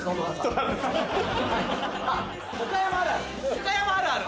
あっ岡山あるある？